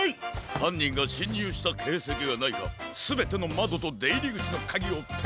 はんにんがしんにゅうしたけいせきがないかすべてのまどとでいりぐちのカギをてんけんだ！